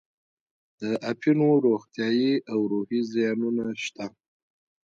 د اپینو روغتیایي او روحي زیانونه شته.